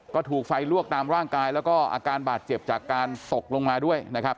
ก็ถูกไฟลวกตามร่างกายแล้วก็อาการบาดเจ็บจากการตกลงมาด้วยนะครับ